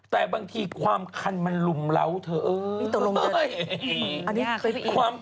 แต่บางทีความคันมันลุมเล้าเธอ